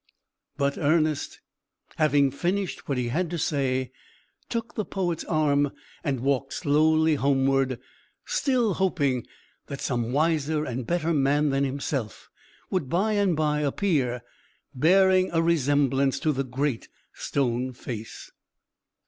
But Ernest, having finished what he had to say, took the poet's arm, and walked slowly homeward, still hoping that some wiser and better man than himself would by and by appear, bearing a resemblance to the Great Stone Face.